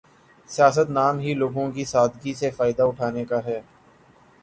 سیاست نام ہی لوگوں کی سادگی سے فائدہ اٹھانے کا ہے۔